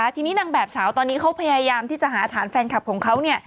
ทีนี้นางแบบสาวตอนนี้เขาพยายามที่จะหาฐานแฟนคลับของเขา